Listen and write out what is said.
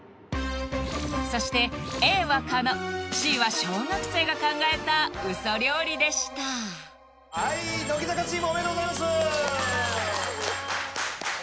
そしてＡは狩野Ｃは小学生が考えたウソ料理でしたはい乃木坂チームおめでとうございますやったありがとうございます